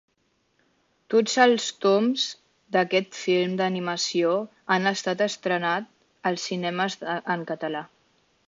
Tots els toms d'aquest film d'animació s'han estrenat als cinemes en català.